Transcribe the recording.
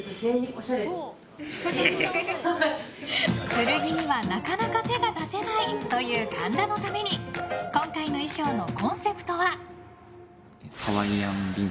古着にはなかなか手が出せないという神田のために今回の衣装のコンセプトは。